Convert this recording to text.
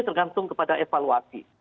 tergantung kepada evaluasi